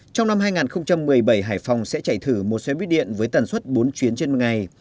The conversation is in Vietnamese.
trong năm hai nghìn một mươi bảy hải phòng sẽ chạy thử một xe buýt điện với tần suất bốn chuyến trên một ngày